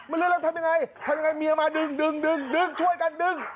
มันลื่นแล้วทำอย่างไรทำอย่างไรเมียมาดึงช่วยกันดึง